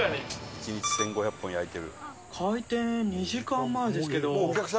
１日１５００本焼いてる。